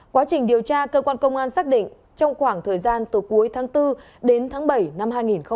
quá trình điều tra cơ quan công an xác định trong khoảng thời gian từ cuối tháng bốn đến tháng bảy năm hai nghìn hai mươi